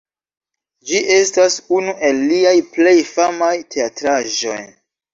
Ĝi estas unu el liaj plej famaj teatraĵoj.